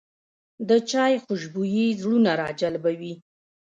د چای خوشبويي زړونه راجلبوي